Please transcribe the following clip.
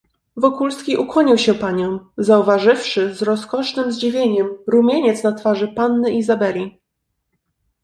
"Wokulski ukłonił się paniom, zauważywszy, z rozkosznem zdziwieniem, rumieniec na twarzy panny Izabeli."